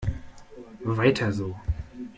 Weiter so!